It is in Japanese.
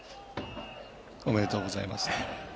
おめでとうございます。